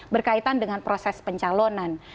berkaitan dengan proses pencalonan